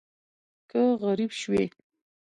که غریب شوې